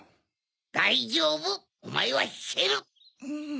だいじょうぶおまえはひける！